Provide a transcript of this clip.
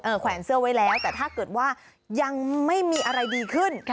แขวนเสื้อไว้แล้วแต่ถ้าเกิดว่ายังไม่มีอะไรดีขึ้น